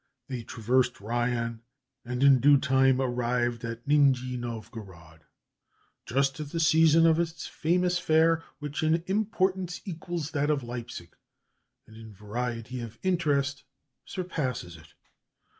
They traversed Rayan, and in due time arrived at Nijni Novgorod, just at the season of its famous fair, which in importance equals that of Leipzig, and in variety of interest surpasses it.